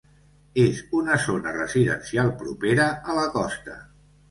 És una zona residencial propera a la costa.